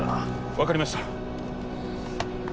分かりました。